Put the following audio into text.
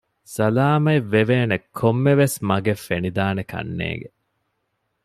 ސަލާމަތްވެވޭނެ ކޮންމެވެސް މަގެއް ފެނިދާނެކަންނޭނގެ